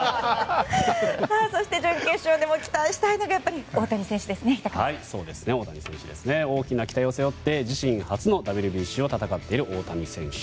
そして準決勝も期待したいのが大きな期待を背負って自身初のＷＢＣを戦っている大谷選手。